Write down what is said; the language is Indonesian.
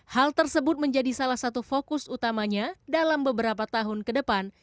hal tersebut menjadi salah satu fokus utamanya dalam beberapa tahun ke depan